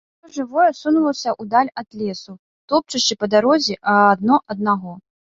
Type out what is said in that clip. Усё жывое сунулася ў даль ад лесу, топчучы па дарозе адно аднаго.